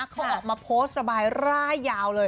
เขาออกมาโพสต์ระบายร่ายยาวเลย